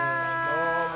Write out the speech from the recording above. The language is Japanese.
どうも。